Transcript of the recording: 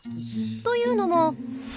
というのも。